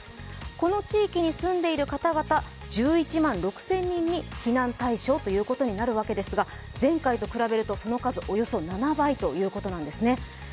この地域に住んでいる方々、１１万６０００人に避難対象ということになるわけですが、前回と比べるとその数、およそ７倍ということなんですね。